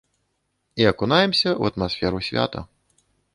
І акунаемся ў атмасферу свята.